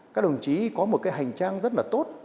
các đồng chí có một cái hành trang rất là tốt